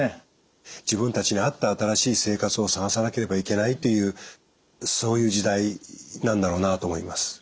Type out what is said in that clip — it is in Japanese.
自分たちに合った新しい生活を探さなければいけないというそういう時代なんだろうなあと思います。